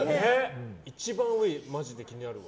一番上がまじで気になるわ。